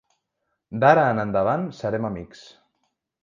D'ara en endavant serem amics.